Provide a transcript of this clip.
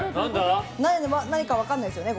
何か分からないですよね。